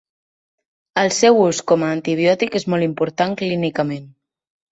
El seu ús com a antibiòtic és molt important clínicament.